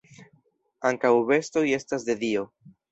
Ankaŭ bestoj estas de Dio.